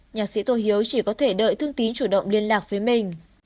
nhạc sĩ tô hiếu chỉ có thể đợi thương tín chủ động liên lạc với mình